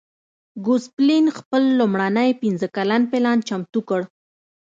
ګوسپلن خپل لومړنی پنځه کلن پلان چمتو کړ.